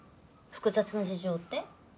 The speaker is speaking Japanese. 複雑な事情って？